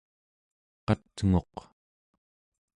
qat'nguq